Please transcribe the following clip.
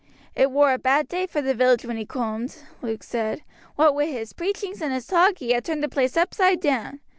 "It war a bad day for the village when he coomed," Luke said; "what wi' his preachings and his talk, he ha' turned the place upside down.